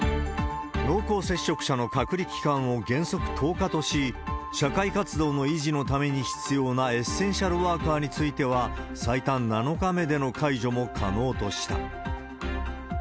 濃厚接触者の隔離期間を原則１０日とし、社会活動の維持のために必要なエッセンシャルワーカーについては、最短７日目での解除も可能とした。